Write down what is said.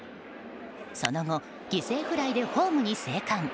その後犠牲フライでホームに生還。